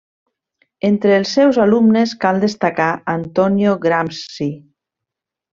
Entre els seus alumnes cal destacar Antonio Gramsci.